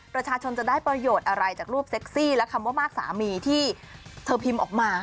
ประชาชนจะได้ประโยชน์อะไรจากรูปเซ็กซี่และคำว่ามากสามีที่เธอพิมพ์ออกมา